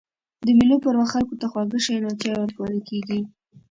د مېلو پر وخت خلکو ته خواږه شيان او چای ورکول کېږي.